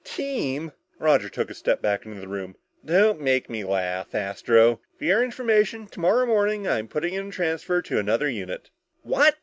"Team?" Roger took a step back into the room. "Don't make me laugh, Astro. For your information, tomorrow morning I'm putting in for a transfer to another unit!" "What!"